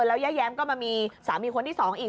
แล้วย้าย้ำก็มามีสามีคนที่๒อีก